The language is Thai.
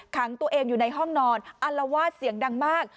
ขังตัวเองอยู่ในห้องนอนอัลวาดเสียงดังมาก